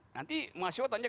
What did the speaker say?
nanti mahasiswa tanya